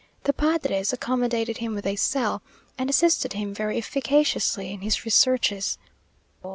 The padres accommodated him with a cell, and assisted him very efficaciously in his researches.